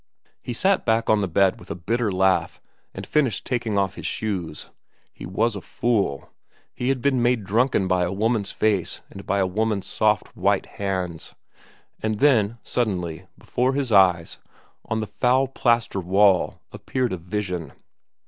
He sat back on the bed with a bitter laugh, and finished taking off his shoes. He was a fool; he had been made drunken by a woman's face and by a woman's soft, white hands. And then, suddenly, before his eyes, on the foul plaster wall appeared a vision.